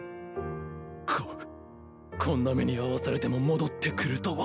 ここんな目に遭わされても戻ってくるとは。